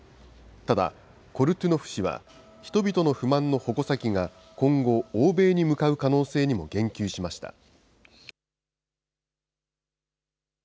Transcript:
ただコルトゥノフ氏は人々の不満の矛先が今後、欧米に向かう可能性にも言及しました。